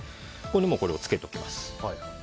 これに漬けておきます。